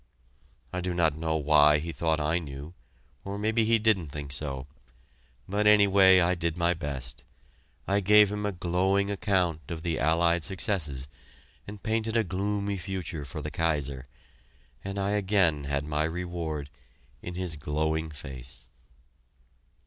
I do not know why he thought I knew, or maybe he didn't think so. But, anyway, I did my best. I gave him a glowing account of the Allied successes, and painted a gloomy future for the Kaiser, and I again had my reward, in his glowing face.